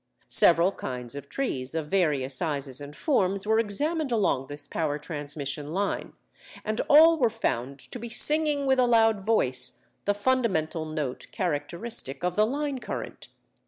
"Several kinds of trees of various sizes and forms were examined along this power transmission line, and all were found to be singing with a loud voice the fundamental note characteristic of the line current.